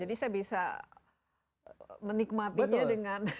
jadi saya bisa menikmatinya dengan